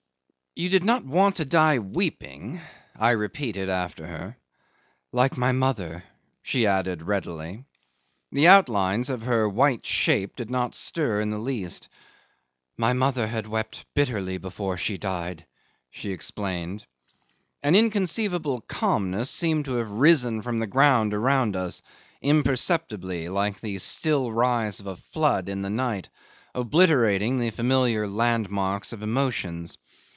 '"You did not want to die weeping?" I repeated after her. "Like my mother," she added readily. The outlines of her white shape did not stir in the least. "My mother had wept bitterly before she died," she explained. An inconceivable calmness seemed to have risen from the ground around us, imperceptibly, like the still rise of a flood in the night, obliterating the familiar landmarks of emotions.